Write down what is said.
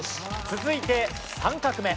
続いて３画目。